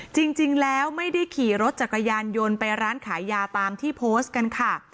จริงแล้วไม่ได้ขี่รถจักรยานยนต์ไปร้านขายยาตามที่โพสต์กันค่ะ